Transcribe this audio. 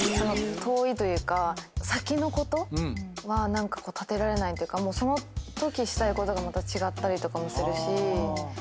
遠いというか先のことは何か立てられないというかそのときしたいことがまた違ったりとかもするし。